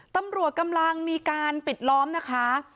ตำรวจกำลังมีการปิดล้อมนะคะ